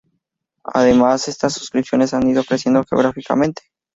Además, estas suscripciones han ido creciendo geográficamente.